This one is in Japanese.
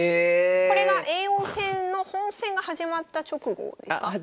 これが叡王戦の本戦が始まった直後ですか？